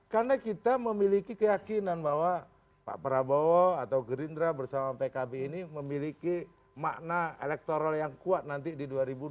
karena kita memiliki keyakinan bahwa pak prabowo atau gerindra bersama pkb ini memiliki makna elektoral yang kuat nanti di dua ribu dua puluh empat